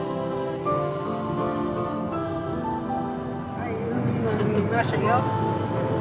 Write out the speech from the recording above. はい海が見えますよ。